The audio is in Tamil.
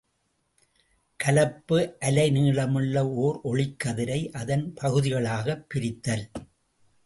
கலப்பு அலை நீளமுள்ள ஓர் ஒளிக்கதிரை அதன் பகுதிகளாகப் பிரித்தல்.